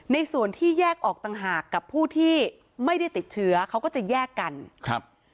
ในส่วนที่แยกออกต่างหากกับผู้ที่ไม่ได้ติดเชื้อเขาก็จะแยกกันครับ